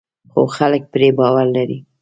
خو خلک پرې باور لري.